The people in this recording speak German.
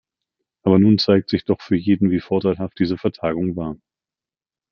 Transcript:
Aber nun zeigt sich doch für jeden, wie vorteilhaft diese Vertagung war.